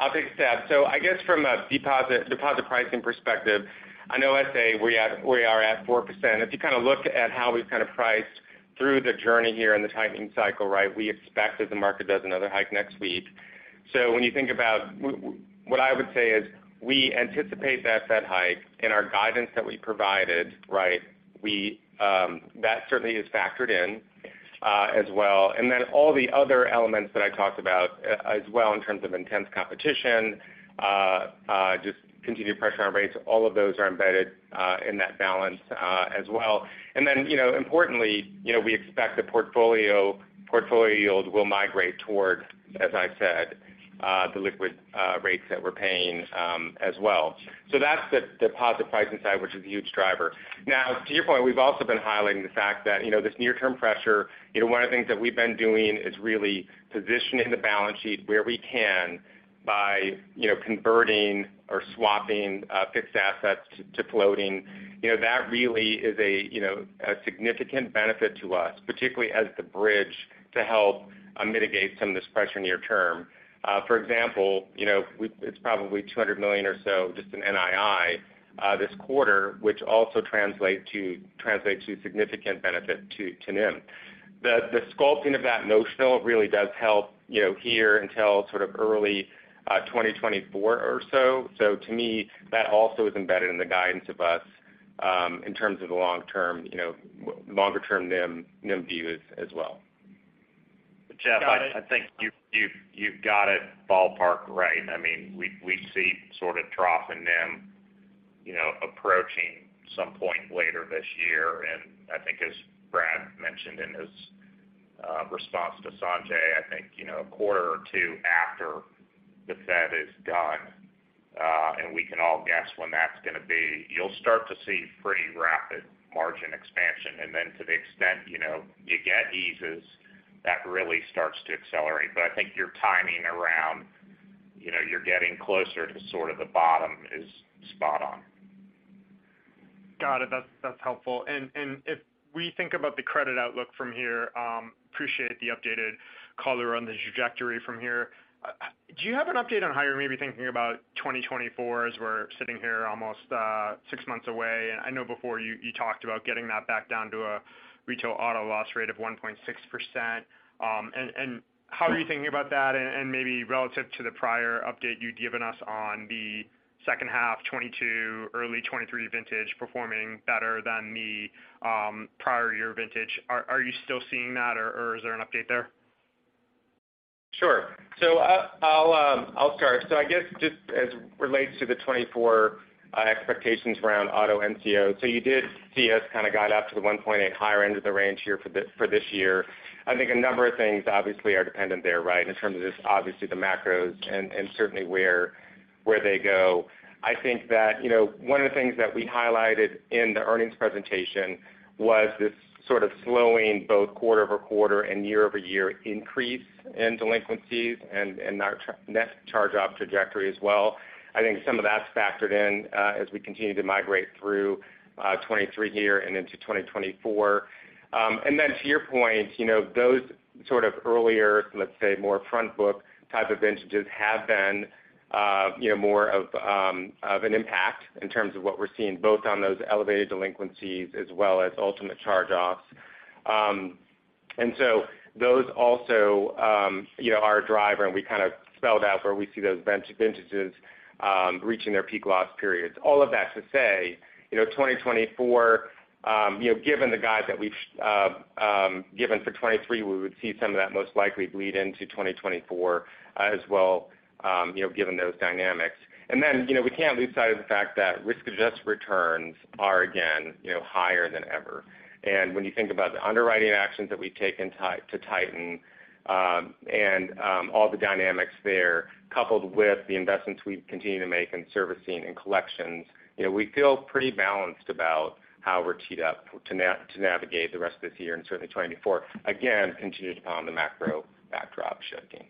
I'll take a stab. I guess from a deposit pricing perspective, I know I say we are at 4%. If you kind of look at how we've kind of priced through the journey here in the tightening cycle, right, we expect that the market does another hike next week. When you think about what I would say is we anticipate that Fed hike in our guidance that we provided, right? We, that certainly is factored in as well. All the other elements that I talked about as well, in terms of intense competition, just continued pressure on rates, all of those are embedded in that balance as well. Importantly, you know, we expect the portfolio yield will migrate towards, as I said, the liquid rates that we're paying as well. That's the deposit pricing side, which is a huge driver. To your point, we've also been highlighting the fact that, you know, this near-term pressure, you know, one of the things that we've been doing is really positioning the balance sheet where we can by, you know, converting or swapping fixed assets to floating. You know, that really is a, you know, a significant benefit to us, particularly as the bridge to help mitigate some of this pressure near term. You know, it's probably $200 million or so, just in NII this quarter, which also translate to significant benefit to NIM. The sculpting of that notional really does help, you know, here until sort of early 2024 or so. To me, that also is embedded in the guidance of us, in terms of the long term, you know, longer term NIM views as well. Jeff, I think you've got it ballpark right. I mean, we see sort of trough in NIM, you know, approaching some point later this year. I think as Brad mentioned in his response to Sanjay, I think, you know, a quarter or two after the Fed is done, and we can all guess when that's going to be, you'll start to see pretty rapid margin expansion. To the extent, you know, you get eases, that really starts to accelerate. I think your timing around, you know, you're getting closer to sort of the bottom is spot on. Got it. That's helpful. If we think about the credit outlook from here, appreciate the updated color on the trajectory from here. Do you have an update on how you're maybe thinking about 2024 as we're sitting here almost six months away? I know before you talked about getting that back down to a retail auto loss rate of 1.6%. How are you thinking about that? Maybe relative to the prior update you'd given us on the second half 2022, early 2023 vintage performing better than the prior year vintage. Are you still seeing that or is there an update there? Sure. I'll start. I guess just as relates to the 2024 expectations around auto NCO. You did see us kind of guide up to the 1.8% higher end of the range here for this year. I think a number of things obviously are dependent there, right? In terms of just obviously the macros and certainly where they go. I think that, you know, one of the things that we highlighted in the earnings presentation was this sort of slowing both quarter-over-quarter and year-over-year increase in delinquencies and our Net charge-off trajectory as well. I think some of that's factored in as we continue to migrate through 2023 here and into 2024. And then to your point, you know, those sort of earlier, let's say, more front book type of vintages have been, you know, more of an impact in terms of what we're seeing, both on those elevated delinquencies as well as ultimate charge-offs. Those also, you know, are a driver, and we kind of spelled out where we see those vintages reaching their peak loss periods. All of that to say, you know, 2024, you know, given the guide that we've given for 2023, we would see some of that most likely bleed into 2024 as well, you know, given those dynamics. You know, we can't lose sight of the fact that risk-adjusted returns are, again, you know, higher than ever. When you think about the underwriting actions that we've taken to tighten, and all the dynamics there, coupled with the investments we continue to make in servicing and collections, you know, we feel pretty balanced about how we're teed up to navigate the rest of this year and certainly 2024. Again, contingent upon the macro backdrop shifting.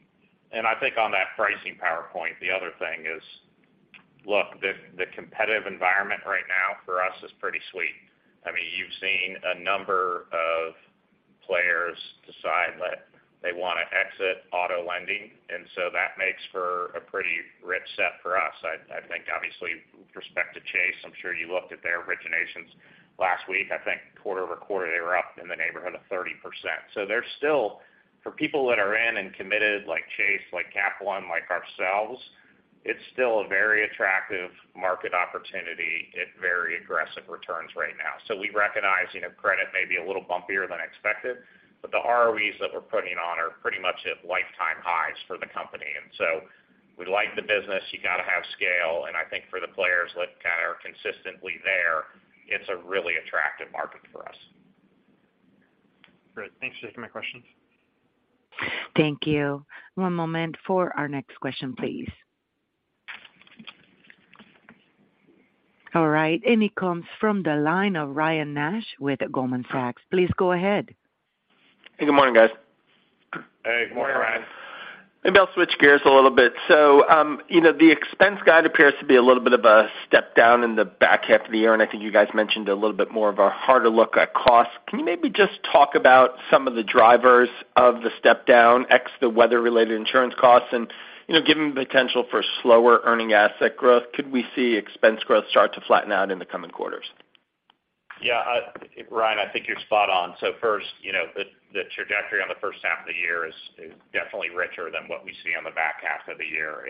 I think on that pricing PowerPoint, the other thing is, look, the competitive environment right now for us is pretty sweet. I mean, you've seen a number of players decide that they want to exit auto lending, and so that makes for a pretty rich set for us. I think obviously, with respect to Chase, I'm sure you looked at their originations last week. I think quarter-over-quarter, they were up in the neighborhood of 30%. There's still, for people that are in and committed, like Chase, like Capital One, like ourselves, it's still a very attractive market opportunity at very aggressive returns right now. We recognize, you know, credit may be a little bumpier than expected, but the ROE that we're putting on are pretty much at lifetime highs for the company. We like the business. You got to have scale, and I think for the players that kind are consistently there, it's a really attractive market for us. Great. Thanks for taking my questions. Thank you. One moment for our next question, please. All right, it comes from the line of Ryan Nash with Goldman Sachs. Please go ahead. Hey, good morning, guys. Hey, good morning, Ryan. Maybe I'll switch gears a little bit. You know, the expense guide appears to be a little bit of a step down in the back half of the year, and I think you guys mentioned a little bit more of a harder look at costs. Can you maybe just talk about some of the drivers of the step down, ex the weather-related insurance costs? You know, given the potential for slower earning asset growth, could we see expense growth start to flatten out in the coming quarters? Yeah, I, Ryan, I think you're spot on. First, you know, the trajectory on the first half of the year is definitely richer than what we see on the back half of the year.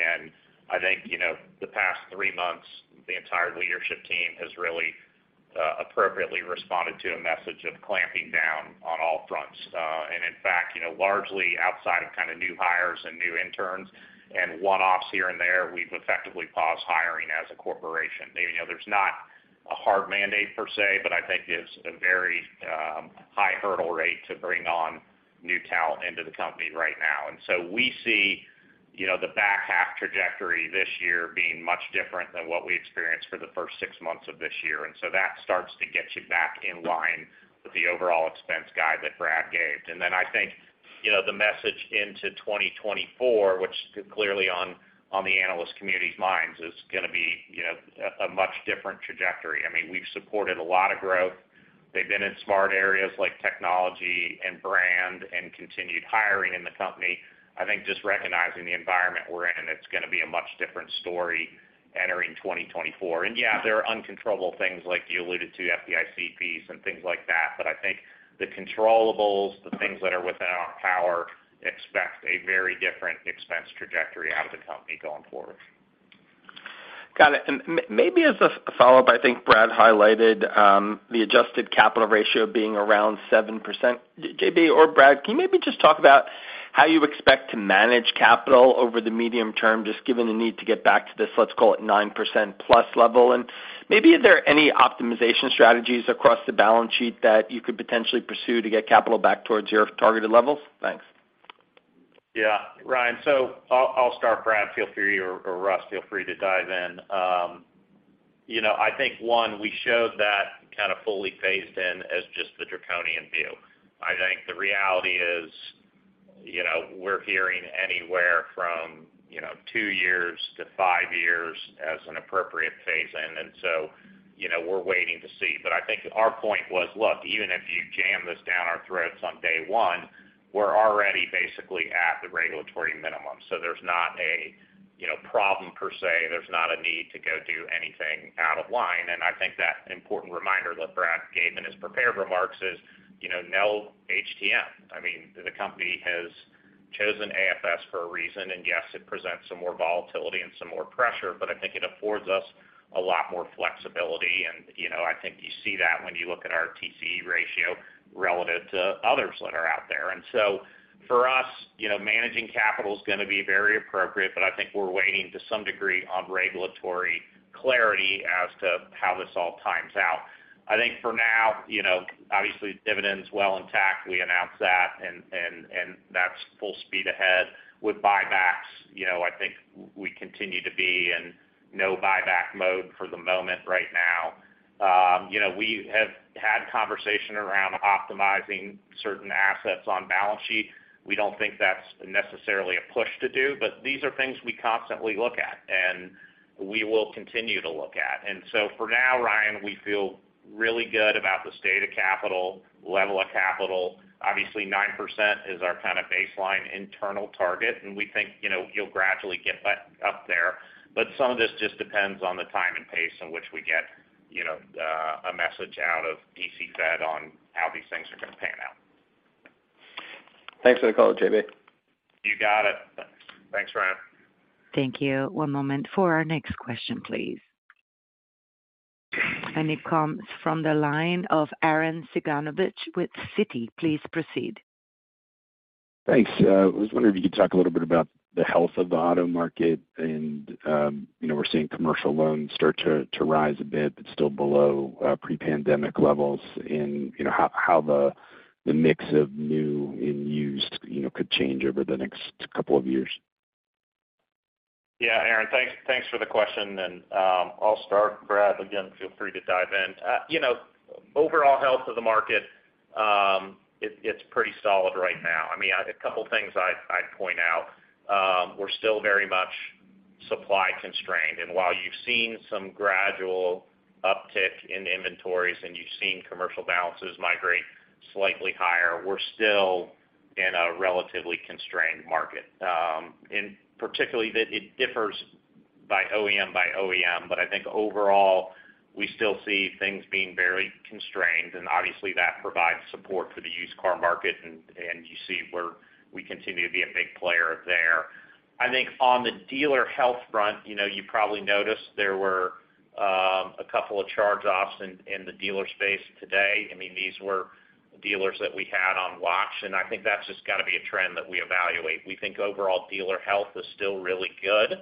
I think, you know, the past three months, the entire leadership team has really appropriately responded to a message of clamping down on all fronts. In fact, you know, largely outside of kind of new hires and new interns and one-offs here and there, we've effectively paused hiring as a corporation. You know, there's not a hard mandate per se, but I think it's a very high hurdle rate to bring on new talent into the company right now. We see, you know, the back half trajectory this year being much different than what we experienced for the first six months of this year. That starts to get you back in line with the overall expense guide that Brad gave. Then I think, you know, the message into 2024, which clearly on the analyst community's minds, is going to be, you know, a much different trajectory. I mean, we've supported a lot of growth. They've been in smart areas like technology and brand and continued hiring in the company. I think just recognizing the environment we're in, it's going to be a much different story entering 2024. Yeah, there are uncontrollable things like you alluded to, FDIC piece and things like that, but I think the controllables, the things that are within our power, expect a very different expense trajectory out of the company going forward. Got it. Maybe as a follow-up, I think Brad highlighted the adjusted capital ratio being around 7%. J.B. or Brad, can you maybe just talk about how you expect to manage capital over the medium term, just given the need to get back to this, let's call it, 9%+ level? Maybe are there any optimization strategies across the balance sheet that you could potentially pursue to get capital back towards your targeted levels? Thanks. Yeah, Ryan. I'll start, Brad, feel free or Russ, feel free to dive in. You know, I think, one, we showed that kind of fully phased in as just the draconian view. I think the reality is, you know, we're hearing anywhere from, you know, two years to five years as an appropriate phase-in, and so, you know, we're waiting to see. I think our point was, look, even if you jam this down our throats on day one, we're already basically at the regulatory minimum. There's not a, you know, problem per se. There's not a need to go do anything out of line. I think that's an important reminder that Brad gave in his prepared remarks is, you know, no HTM. I mean, the company has chosen AFS for a reason, and yes, it presents some more volatility and some more pressure, but I think it affords us a lot more flexibility and, you know, I think you see that when you look at our TCE ratio relative to others that are out there. For us, you know, managing capital is going to be very appropriate, but I think we're waiting to some degree on regulatory clarity as to how this all times out. I think for now, you know, obviously, dividend's well intact. We announced that, and that's full speed ahead. With buybacks, you know, I think we continue to be in no buyback mode for the moment right now. You know, we have had conversation around optimizing certain assets on balance sheet. We don't think that's necessarily a push to do. These are things we constantly look at, and we will continue to look at. For now, Ryan, we feel really good about the state of capital, level of capital. Obviously, 9% is our kind of baseline internal target, and we think, you know, you'll gradually get that up there. Some of this just depends on the time and pace in which we get, you know, a message out of Federal Reserve on how these things are going to pan out. Thanks for the call, JB. You got it. Thanks, Ryan. Thank you. One moment for our next question, please. It comes from the line of Arren Cyganovich with Citi. Please proceed. Thanks. I was wondering if you could talk a little bit about the health of the auto market, and, you know, we're seeing commercial loans start to rise a bit, but still below, pre-pandemic levels. You know, how the mix of new and used, you know, could change over the next couple of years. Yeah, Arren, thanks for the question. I'll start. Bradley, again, feel free to dive in. You know, overall health of the market, it's pretty solid right now. I mean, a couple of things I'd point out. We're still very much supply constrained, and while you've seen some gradual uptick in inventories and you've seen commercial balances migrate slightly higher, we're still in a relatively constrained market. Particularly, that it differs by OEM, but I think overall, we still see things being very constrained, and obviously, that provides support for the used car market, and you see where we continue to be a big player there. I think on the dealer health front, you know, you probably noticed there were a couple of charge-offs in the dealer space today. These were dealers that we had on watch, and I think that's just got to be a trend that we evaluate. We think overall dealer health is still really good,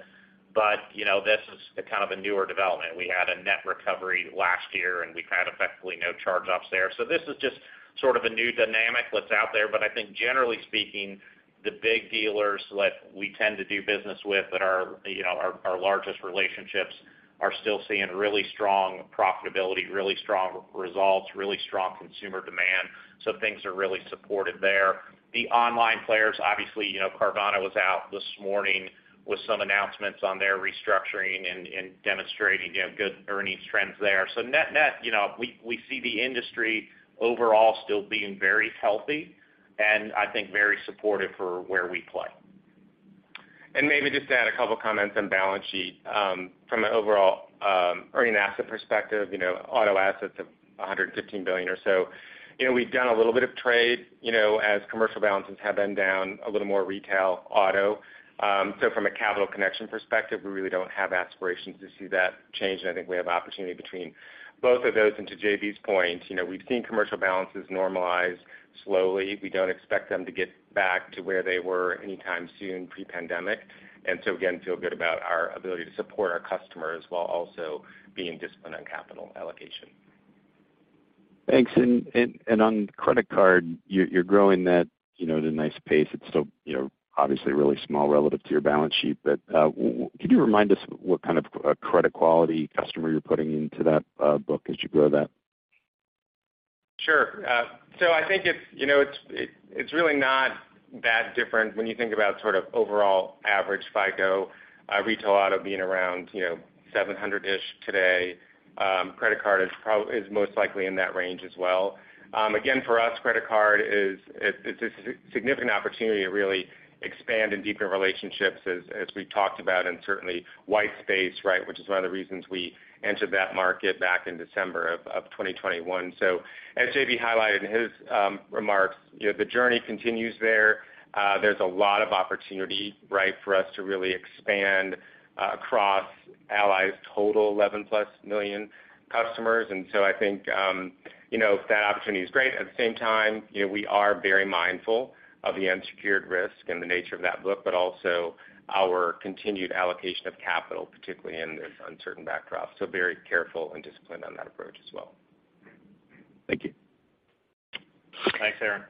you know, this is kind of a newer development. We had a net recovery last year, and we've had effectively no charge-offs there. This is just sort of a new dynamic that's out there. I think generally speaking, the big dealers that we tend to do business with, that are, you know, our largest relationships, are still seeing really strong profitability, really strong results, really strong consumer demand. Things are really supported there. The online players, obviously, you know, Carvana was out this morning with some announcements on their restructuring and demonstrating, you know, good earnings trends there. Net, you know, we see the industry overall still being very healthy and I think very supportive for where we play. Maybe just to add a couple of comments on balance sheet. From an overall, earning asset perspective, you know, auto assets of $115 billion or so. You know, we've done a little bit of trade, you know, as commercial balances have been down, a little more retail, auto. From a capital connection perspective, we really don't have aspirations to see that change, and I think we have opportunity between both of those. To JB's point, you know, we've seen commercial balances normalize slowly. We don't expect them to get back to where they were anytime soon, pre-pandemic. Again, feel good about our ability to support our customers while also being disciplined on capital allocation. Thanks. On credit card, you're growing that, you know, at a nice pace. It's still, you know, obviously really small relative to your balance sheet. Could you remind us what kind of credit quality customer you're putting into that book as you grow that? Sure. I think it's, you know, it's really not that different when you think about sort of overall average FICO retail auto being around, you know, 700-ish today. Credit card is most likely in that range as well. Again, for us, credit card is a significant opportunity to really expand and deepen relationships, as we talked about, and certainly white space, right, which is one of the reasons we entered that market back in December of 2021. As JB highlighted in his remarks, you know, the journey continues there. There's a lot of opportunity, right, for us to really expand across Ally's total 11 plus million customers. I think, you know, that opportunity is great. At the same time, you know, we are very mindful of the unsecured risk and the nature of that book, but also our continued allocation of capital, particularly in this uncertain backdrop. Very careful and disciplined on that approach as well. Thank you. Thanks, Arren.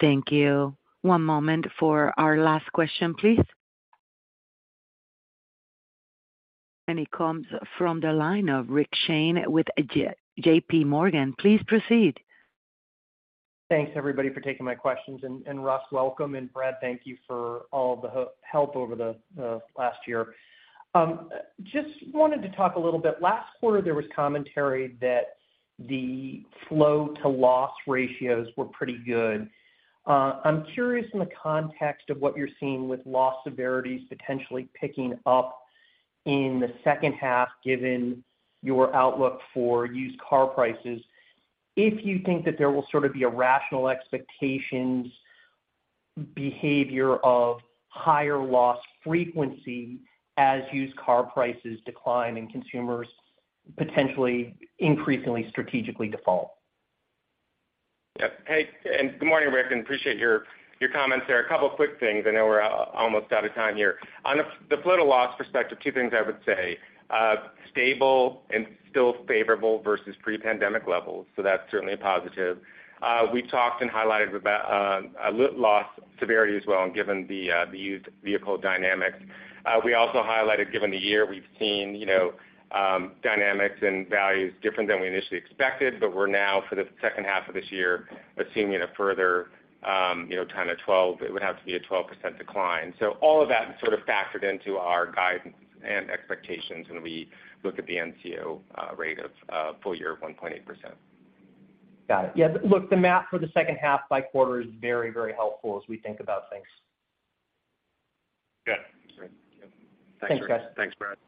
Thank you. One moment for our last question, please. It comes from the line of Richard Shane with JPMorgan. Please proceed. Thanks, everybody, for taking my questions. Russ, welcome. Brad, thank you for all the help over the last year. Just wanted to talk a little bit. Last quarter, there was commentary that the flow to loss ratios were pretty good. I'm curious, in the context of what you're seeing with loss severities potentially picking up in the second half, given your outlook for used car prices, if you think that there will sort of be a rational expectations behavior of higher loss frequency as used car prices decline and consumers potentially increasingly strategically default? Yep. Hey, good morning, Rick, appreciate your comments there. A couple of quick things. I know we're almost out of time here. On the flow to loss perspective, two things I would say. Stable and still favorable versus pre-pandemic levels, so that's certainly a positive. We talked and highlighted about a lit loss severity as well and given the used vehicle dynamics. We also highlighted, given the year, we've seen, you know, dynamics and values different than we initially expected, but we're now, for the second half of this year, assuming a further, you know, 10-12, it would have to be a 12% decline. All of that is sort of factored into our guidance and expectations when we look at the NCO rate of full year of 1.8%. Got it. Yeah, look, the math for the second half by quarter is very, very helpful as we think about things. Good. Thanks, guys. Thanks, Brad.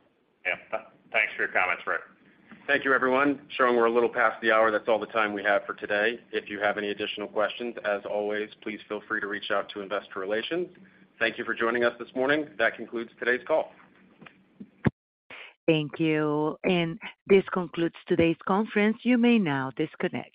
Yeah. Thanks for your comments, Rick. Thank you, everyone. Showing we're a little past the hour, that's all the time we have for today. If you have any additional questions, as always, please feel free to reach out to investor relations. Thank you for joining us this morning. That concludes today's call. Thank you, this concludes today's conference. You may now disconnect.